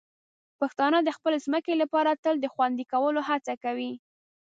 پښتانه د خپلې ځمکې لپاره تل د خوندي کولو هڅه کوي.